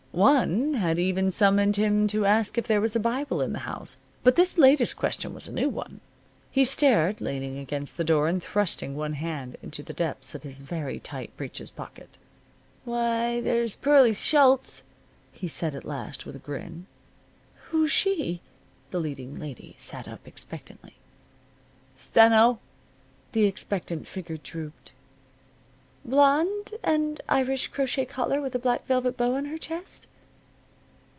One had even summoned him to ask if there was a Bible in the house. But this latest question was a new one. He stared, leaning against the door and thrusting one hand into the depths of his very tight breeches pocket. "Why, there's Pearlie Schultz," he said at last, with a grin. "Who's she?" The leading lady sat up expectantly. "Steno." The expectant figure drooped. "Blonde? And Irish crochet collar with a black velvet bow on her chest?"